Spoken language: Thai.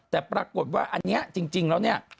แต่ปรากฏว่าอันนี้จริงแล้วเนี่ย